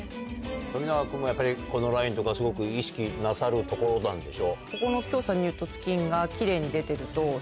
冨永君もやっぱりこのラインとかすごく意識なさるところなんでしょ？